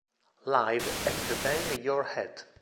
Live at the Bang Your Head!!!